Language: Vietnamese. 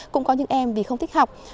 cũng có những em vì không thích học